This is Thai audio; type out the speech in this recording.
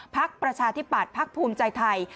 ภักดิ์ประชาธิบัติภักดิ์ภูมิใจไทย